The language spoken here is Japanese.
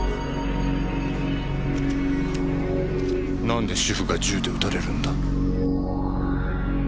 何で主婦が銃で撃たれるんだ？